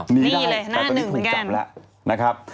นี่เลยหน้าหนึ่งกัน